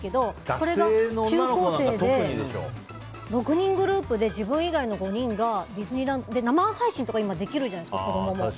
これが中高生で、６人グループで自分以外の５人がディズニー生配信とかもできるじゃないですか、子供も。